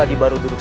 tidak usah nih mas